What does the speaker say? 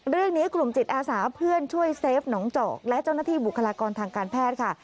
เรื่องนี้กลุ่มจิตอาสาเพื่อนช่วยเซฟหนองจอกและเจ้าหน้าที่บุคลากรทางการแพทย์ค่ะ